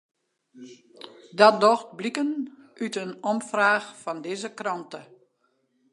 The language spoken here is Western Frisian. Dat docht bliken út in omfraach fan dizze krante.